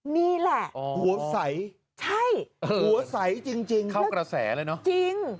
นี่แหละหัวใสใช่หัวใสจริงเข้ากระแสเลยเนอะจริง